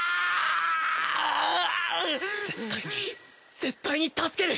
絶対に絶対に助ける！